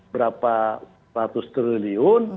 berapa ratus triliun